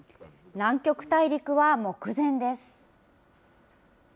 南極大陸は目前です。